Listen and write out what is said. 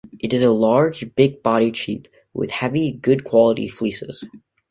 It is a large, big-bodied sheep with heavy, good quality fleeces.